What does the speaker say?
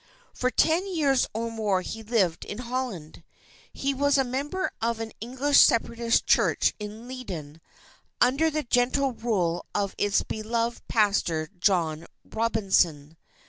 For ten years or more he lived in Holland. He was a member of an English Separatist Church in Leyden, under the gentle rule of its beloved pastor, John Robinson.